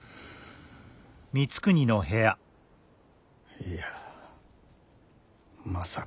いやまさか。